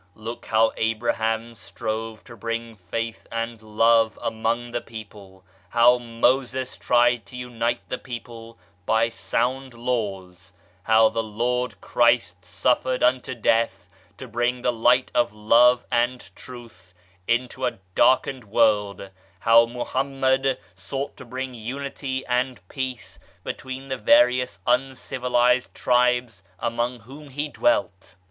Look how Abraham strove to bring faith and love among the people ; how Moses tried to unite the people by sound Laws ; how the Lord Christ suffered unto death to bring the Light of Love and Truth into a dark ened world ; how Mohammed sought to bring Unity and Peace between the various uncivilized tribes among whom he dwelt.